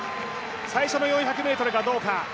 最初の４００ｍがどうか。